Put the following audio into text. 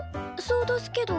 そうどすけど。